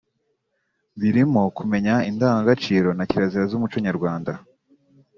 birimo kumenya indangagaciro na kirazira z’umuco nyarwanda